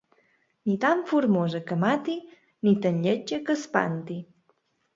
Ni tan formosa que mati, ni tan lletja que espanti.